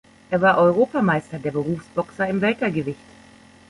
Er war Europameister der Berufsboxer im Weltergewicht.